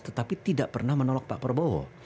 tetapi tidak pernah menolak pak prabowo